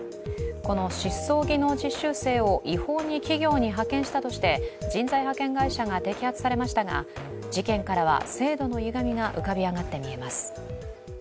この失踪技能実習生を違法に企業に派遣したとして人材派遣会社が摘発されましたが事件からは制度のゆがみが浮かび上がって見えます。